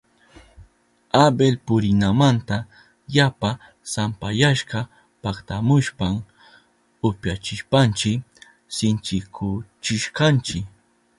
Abel purinamanta yapa sampayashka paktamushpan upyachishpanchi sinchikuchishkanchi.